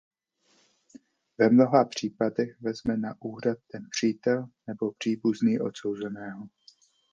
Ve mnoha případech vezme na se úřad ten přítel nebo příbuzný odsouzeného.